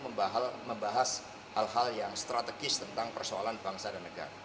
membahas hal hal yang strategis tentang persoalan bangsa dan negara